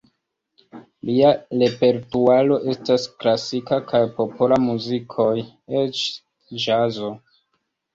Lia repertuaro estas klasika kaj popola muzikoj, eĉ ĵazo.